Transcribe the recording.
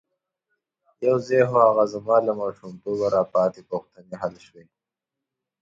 یو ځای خو هغه زما له ماشومتوبه را پاتې پوښتنې حل شوې.